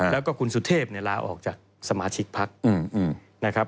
แล้วก็คุณสุเทพลาออกจากสมาชิกภักดิ์